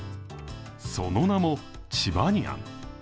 その名も、チバニアン。